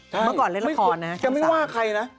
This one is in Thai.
เมื่อก่อนเล่นละครนะแกไม่ว่าใครนะ